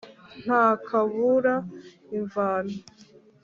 Nta kabura imvano.